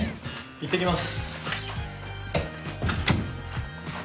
いってきます。